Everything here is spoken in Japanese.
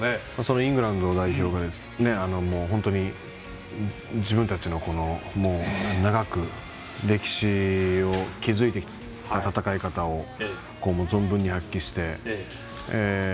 イングランド代表が本当に自分たちの長く歴史を築いてきた戦い方を存分に発揮して。